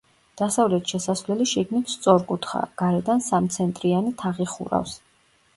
დასავლეთ შესასვლელი შიგნით სწორკუთხაა, გარედან სამცენტრიანი თაღი ხურავს.